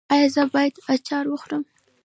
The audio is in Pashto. ایا زه باید اچار وخورم؟